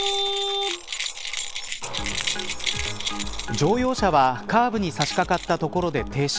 乗用車はカーブに差しかかった所で停止。